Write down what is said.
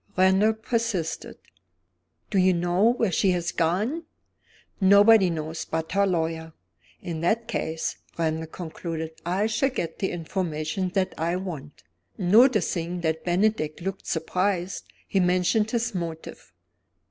Randal persisted. "Do you know where she has gone?" "Nobody knows but her lawyer." "In that case," Randal concluded, "I shall get the information that I want." Noticing that Bennydeck looked surprised, he mentioned his motive.